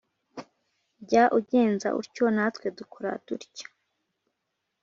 jya ugenza utyo natwe dukora dutya.